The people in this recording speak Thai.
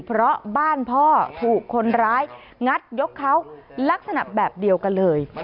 เพราะบ้านพ่อถูกคนร้ายงัดยกเขาลักษณะแบบเดียวกันเลย